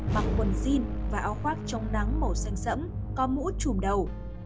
mặc quần jean và áo khoác trong nắng màu xanh xẫm có mũ trùm đầu